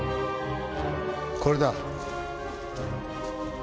これだ。